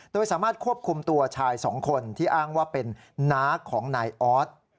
โดยสามารถควบคุมตัวชายสองคนที่อ้างว่าเป็นน้าของนายออส